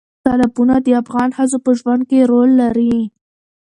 تالابونه د افغان ښځو په ژوند کې رول لري.